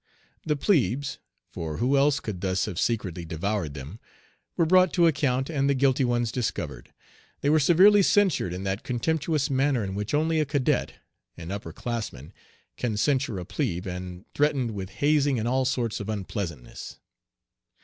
The plebes for who else could thus have secretly devoured them were brought to account and the guilty ones discovered. They were severely censured in that contemptuous manner in which only a cadet, an upper classman, can censure a plebe, and threatened with hazing and all sorts of unpleasantness.